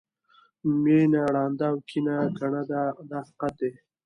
مینه ړانده او کینه کڼه ده دا حقیقت دی.